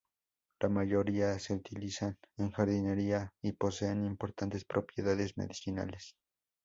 La mayoría se utilizan en jardinería y poseen importantes propiedades medicinales.